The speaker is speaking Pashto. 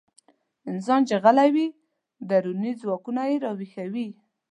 انسان چې غلی وي، دروني ځواکونه راويښوي.